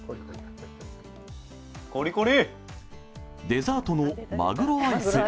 デザートのまぐろアイス。